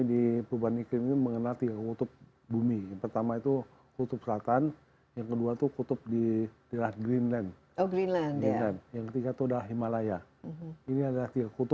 dan menaikkan suhu status tersebut